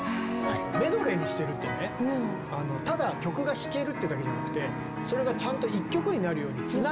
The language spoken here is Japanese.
メドレーにしてるってねただ曲が弾けるってだけじゃなくてそれがちゃんと１曲になるようにつなぎを自分で作ってるんだよね。